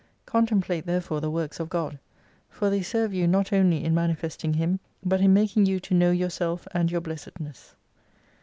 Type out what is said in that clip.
Contemplate therefore the works of God, for they serve you not only in mani festing Him, but in making you to know yourself and your blessedness.